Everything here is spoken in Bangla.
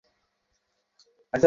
আত্মহত্যা কোন সমাধান হতে পারে না।